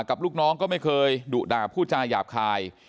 ลูกน้องก็ไม่เคยดุด่าผู้จาหยาบคาย